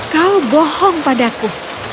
kau bohong padaku